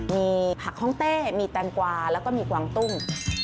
มีผักห้องเต้มีแตงกวาแล้วก็มีกวางตุ้ง